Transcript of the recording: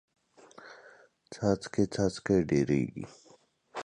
څاڅکې څاڅکې ډېریږي.